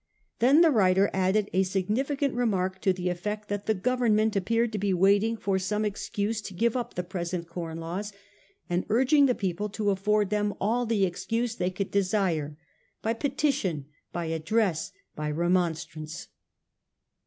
Then the writer added a significant remark to the effect that the Government appeared to be waiting for some excuse to give up the present Corn Laws, and urging the people to afford them all the excuse they could desire, ' by petition, by address, by remonstrance.